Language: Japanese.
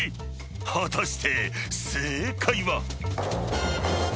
［果たして正解は？］